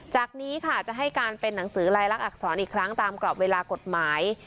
จากนี้ค่ะจะให้การเป็นหนังสือลายลักษรอีกครั้งตามกรอบเวลากฎหมาย